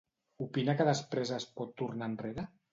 Opina que després es pot tornar enrere?